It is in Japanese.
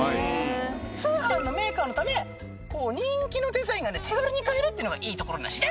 通販のメーカーのため人気のデザインが手軽に買えるってのがいいところなっしな。